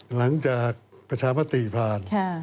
หลังจากประชามาติผ่าน